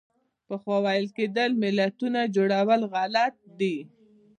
پخوا ویل کېدل ملتونو جوړول غلط دي.